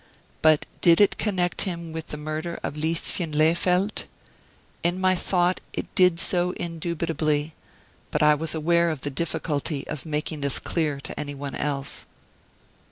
But did it connect him with the murder of Lieschen Lehfeldt? In my thought it did so indubitably; but I was aware of the difficulty of making this clear to anyone else.